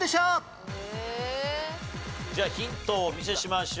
じゃあヒントお見せしましょう。